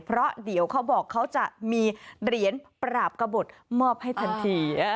เพราะเดี๋ยวเขาบอกเขาจะมีเหรียญปราบกระบดมอบให้ทันที